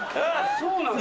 そうなんだ。